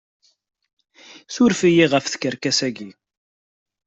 Suref-iyi ɣef tkerkas-agi!